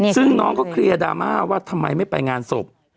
ซึ่งน้องเขาเคลียร์ดราม่าว่าทำไมไม่ไปงานศพ